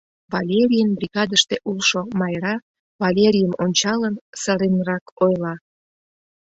Валерийын бригадыште улшо Майра, Валерийым ончалын, сыренрак ойла: